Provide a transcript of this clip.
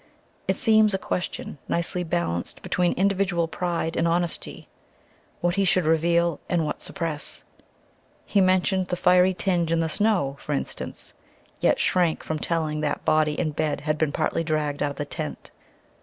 It seemed a question, nicely balanced between individual pride and honesty, what he should reveal and what suppress. He mentioned the fiery tinge in the snow, for instance, yet shrank from telling that body and bed had been partly dragged out of the tent....